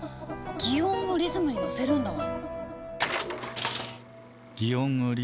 擬音をリズムに乗せるんだわ。